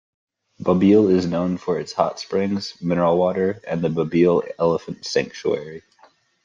Babille is known for its hot springs, mineral water and the Babille Elephant Sanctuary.